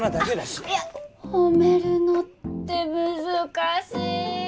褒めるのって難しい。